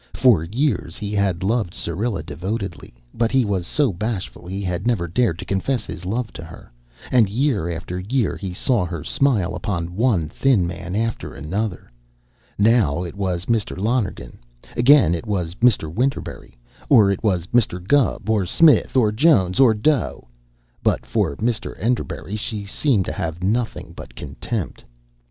For years he had loved Syrilla devotedly, but he was so bashful he had never dared to confess his love to her, and year after year he saw her smile upon one thin man after another. Now it was Mr. Lonergan; again it was Mr. Winterberry or it was Mr. Gubb, or Smith, or Jones, or Doe; but for Mr. Enderbury she seemed to have nothing but contempt. Mr.